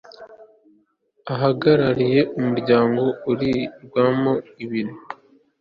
uhagarariye umuryango ribarwamo abiri